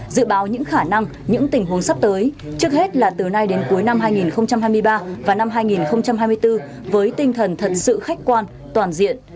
dự báo những khả năng những tình huống sắp tới trước hết là từ nay đến cuối năm hai nghìn hai mươi ba và năm hai nghìn hai mươi bốn với tinh thần thật sự khách quan toàn diện